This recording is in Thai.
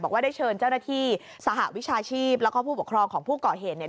ว่าได้เชิญเจ้าหน้าที่สหวิชาชีพแล้วก็ผู้ปกครองของผู้ก่อเหตุเนี่ย